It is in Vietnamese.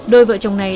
đời vợ chồng này